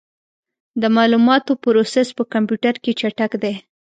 د معلوماتو پروسس په کمپیوټر کې چټک دی.